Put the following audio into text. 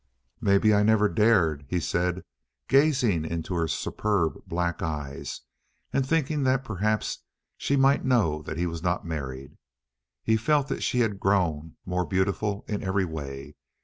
"Maybe I never dared," he said, gazing into her superb black eyes, and thinking that perhaps she might know that he was not married. He felt that she had grown more beautiful in every way.